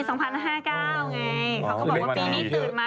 เขาก็บอกว่าปีนี้ตื่นมา